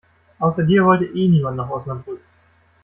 Außer dir wollte eh niemand nach Osnabrück.